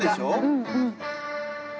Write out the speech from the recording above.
うんうん。